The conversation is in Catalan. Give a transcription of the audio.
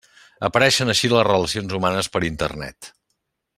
Apareixen així les relacions humanes per internet.